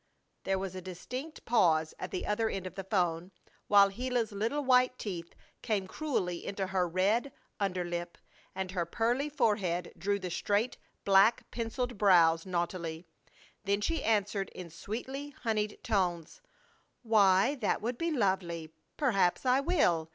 There was a distinct pause at the other end of the 'phone, while Gila's little white teeth came cruelly into her red under lip, and her pearly forehead drew the straight, black, penciled brows naughtily. Then she answered, in sweetly honeyed tones: "Why, that would be lovely! Perhaps I will.